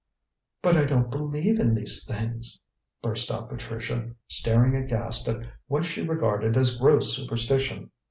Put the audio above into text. "But I don't believe in these things," burst out Patricia, staring aghast at what she regarded as gross superstition.